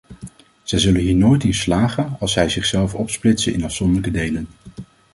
Zij zullen hier nooit in slagen als zij zichzelf opsplitsen in afzonderlijke delen.